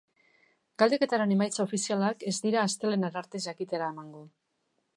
Galdeketaren emaitza ofizialak ez dira astelehenera arte jakitera emango.